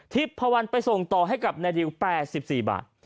พวันไปส่งต่อให้กับนายดิว๘๔บาท